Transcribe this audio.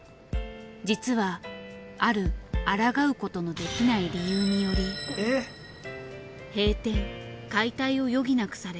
実はあるあらがうことのできない理由により閉店・解体を余儀なくされ３８年の歴史に